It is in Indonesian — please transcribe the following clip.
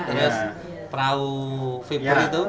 terus perahu vibur itu